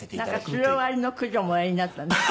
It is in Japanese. なんかシロアリの駆除もおやりになったんですって？